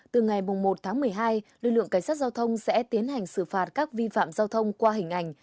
từ ngày một tháng một mươi hai lực lượng cảnh sát giao thông sẽ tiến hành xử phạt các vi phạm giao thông qua hình ảnh